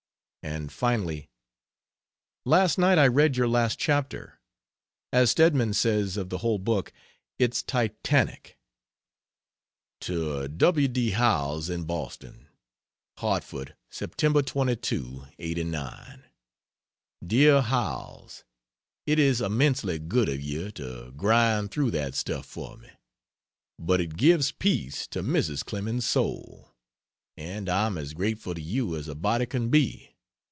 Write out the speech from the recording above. and, finally, "Last night I read your last chapter. As Stedman says of the whole book, it's titanic." To W. D. Howells, in Boston: HARTFORD, Sept. 22, '89. DEAR HOWELLS, It is immensely good of you to grind through that stuff for me; but it gives peace to Mrs. Clemens's soul; and I am as grateful to you as a body can be.